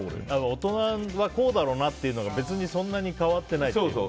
大人はこうだろうなっていうのが別にそんなに変わってないんでしょ。